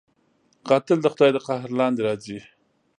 قاتل د خدای د قهر لاندې راځي